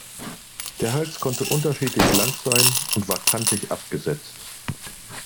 Der Hals konnte unterschiedlich lang sein und war kantig abgesetzt.